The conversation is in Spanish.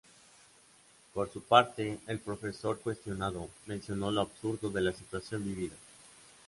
Por su parte, el profesor cuestionado, mencionó lo absurdo de la situación vivida.